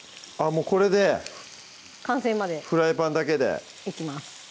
もうこれで完成までフライパンだけでいきます